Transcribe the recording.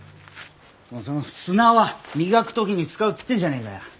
もうその砂は磨く時に使うっつってんじゃねえかよ。